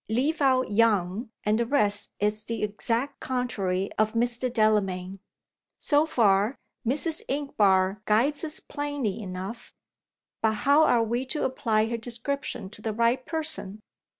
Leave out 'young,' and the rest is the exact contrary of Mr. Delamayn. So far, Mrs. Inchbare guides us plainly enough. But how are we to apply her description to the right person?